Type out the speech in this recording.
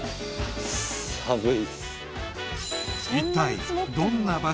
寒い。